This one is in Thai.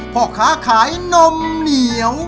พ่อค้าขายนมเหนียว